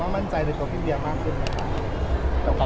สำหรับผู้ที่เรียกมากขึ้นนะคะ